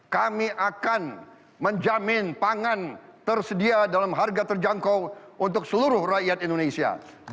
kami akan menjamin pangan tersedia dalam harga terjangkau untuk seluruh rakyat indonesia